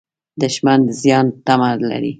دښمن د زیان تمه لري